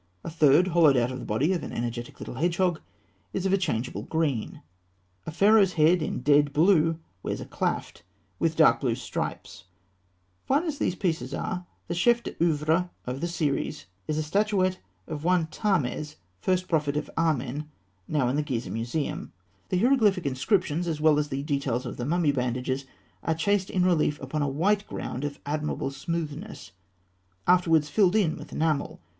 A third, hollowed out of the body of an energetic little hedgehog, is of a changeable green (fig. 231). A Pharaoh's head in dead blue wears a klaft with dark blue stripes. [Illustration: Fig. 232.] Fine as these pieces are, the chef d'oeuvre of the series is a statuette of one Ptahmes, first Prophet of Amen, now in the Gizeh Museum. The hieroglyphic inscriptions as well as the details of the mummy bandages are chased in relief upon a white ground of admirable smoothness afterwards filled in with enamel.